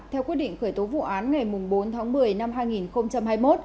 theo quyết định khởi tố vụ án ngày bốn tháng một mươi năm hai nghìn hai mươi một